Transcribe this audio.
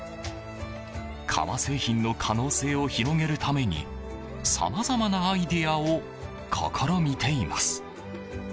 革製品の可能性を広げるためにさまざまなアイデアを試みています。